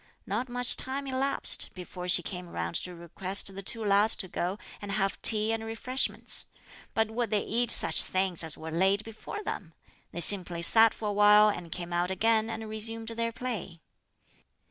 Not much time elapsed before she came round to request the two lads to go and have tea and refreshments; but would they eat such things as were laid before them? They simply sat for a while and came out again and resumed their play.